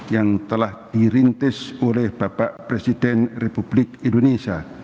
yang telah dirintis oleh bapak presiden republik indonesia